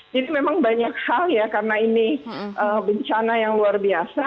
jadi memang banyak hal ya karena ini bencana yang luar biasa